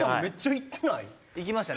行きましたね